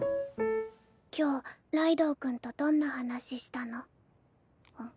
今日ライドウ君とどんな話したの？